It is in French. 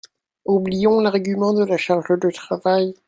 Oublions l’argument de la charge de travail.